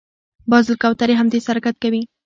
باز له کوترې هم تېز حرکت کوي